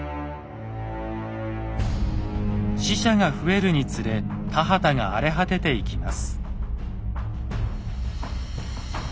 死者が増えるにつれ田畑が荒れ果てていきます。